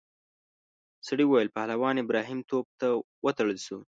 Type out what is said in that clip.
سړي وویل پهلوان ابراهیم توپ ته وتړل شو.